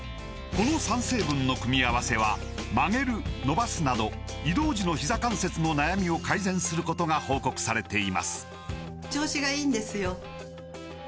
この３成分の組み合わせは曲げる伸ばすなど移動時のひざ関節の悩みを改善することが報告されています